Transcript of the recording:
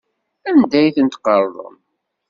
Anda ay tent-tqerḍem?